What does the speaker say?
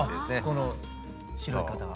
この白い方が。